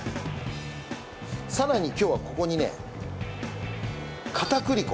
さらに今日はここにね片栗粉。